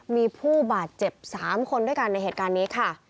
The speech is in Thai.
มีผู้บาดเจ็บ๓คนด้วยกันในเหตุการณ์นี้ค่ะ